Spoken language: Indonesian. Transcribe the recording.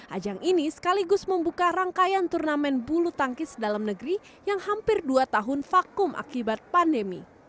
ajang ini sekaligus membuka rangkaian turnamen bulu tangkis dalam negeri yang hampir dua tahun vakum akibat pandemi